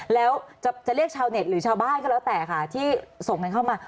แล้วจะเรียกชาวเน็ตหรือชาวบ้านก็แล้วแต่ค่ะที่ส่งเงินเข้ามา